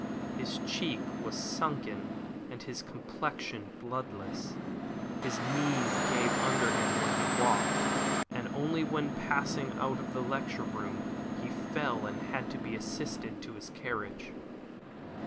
His cheek was sunken and his complexion bloodless. His knees gave under him when he walked; and once when passing out of his lecture room he fell and had to be assisted to his carriage.